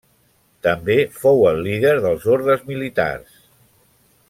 També fou el líder dels ordes militars.